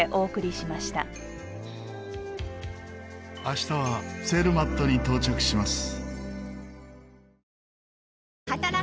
明日はツェルマットに到着します。